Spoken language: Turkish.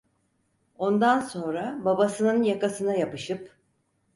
Ondan sonra babasının yakasına yapışıp: